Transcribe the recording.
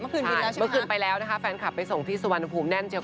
เมื่อคืนบินแล้วใช่ไหมคะเมื่อคืนไปแล้วนะคะแฟนคลับไปส่งที่สวรรค์ภูมิแน่นเจียว